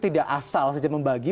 tidak asal saja membagi